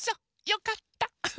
よかった。